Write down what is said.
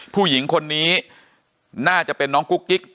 ผู้หญิงคนนี้น่าจะเป็นน้องกุ๊กกิ๊ก